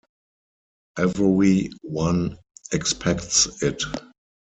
Every one expects it.